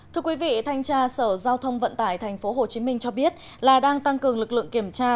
thưa quý vị thanh tra sở giao thông vận tải tp hcm cho biết là đang tăng cường lực lượng kiểm tra